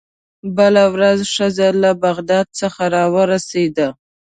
بله ورځ ښځه له بغداد څخه راورسېده.